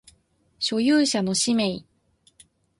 所有者の氏名